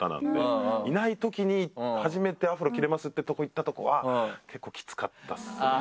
いないときに初めてアフロ切れますってとこ行ったとこは結構きつかったですね。